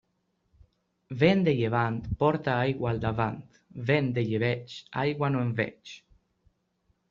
Vent de llevant, porta aigua al davant; vent de llebeig, d'aigua no en veig.